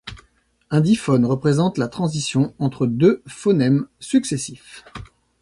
Un diphone représente la transition entre deux phonèmes successifs.